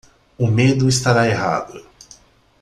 O medo estará errado